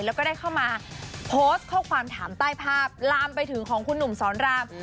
แล้วก็ได้เข้ามาโพสต์ข้อความถามใต้ภาพลามไปถึงของคุณหนุ่มสอนราม